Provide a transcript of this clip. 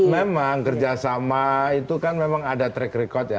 memang kerjasama itu kan memang ada track record ya